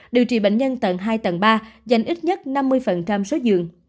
điều trị bệnh nhân tầng hai tầng ba dành ít nhất năm mươi số giường